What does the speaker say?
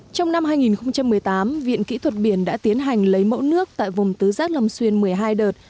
trong năm hai nghìn một mươi tám viện kỹ thuật biển đã tiến hành lấy mẫu nước tại vùng tứ giác long xuyên một mươi hai đợt